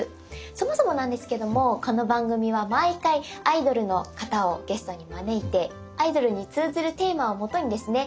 そもそもなんですけどもこの番組は毎回アイドルの方をゲストに招いてアイドルに通ずるテーマを基にですね